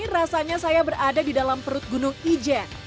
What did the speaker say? rasanya saya berada di dalam perut gunung ijen